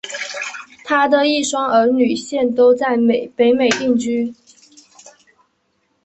她的一双儿女现都在北美定居。